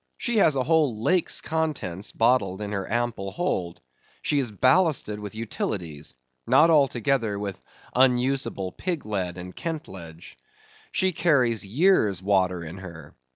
She has a whole lake's contents bottled in her ample hold. She is ballasted with utilities; not altogether with unusable pig lead and kentledge. She carries years' water in her.